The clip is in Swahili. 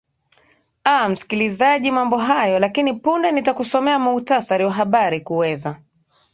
a msikilizaji mambo hayo lakini punde nitakusomea muktasari wa habari kuweza